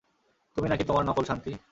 তুমি নাকি তোমার নকল শান্তি?